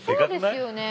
そうですよね。